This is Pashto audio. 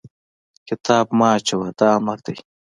کتاب مه اچوه! دا امر دی.